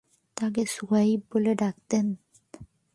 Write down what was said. তাকে সুহাইব বলে ডাকতেন।